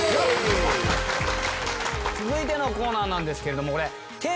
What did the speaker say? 続いてのコーナーなんですけれどもこれ。